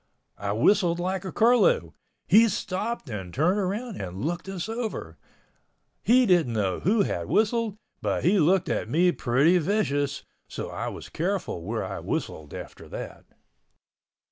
I whistled like a curlew. He stopped and turned around and looked us over. He didn't know who had whistled, but he looked at me pretty vicious, so I was careful where I whistled after that.